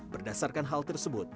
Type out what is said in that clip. berdasarkan hal tersebut